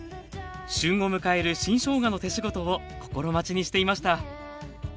旬を迎える新しょうがの「手仕事」を心待ちにしていました